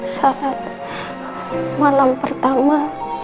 saat malam pertama